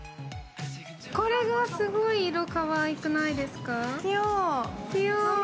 これがすごい色かわいくないですか？